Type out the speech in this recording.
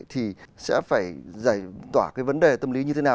thì sẽ phải giải tỏa cái vấn đề tâm lý như thế nào